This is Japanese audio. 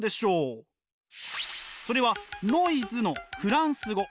それはノイズのフランス語。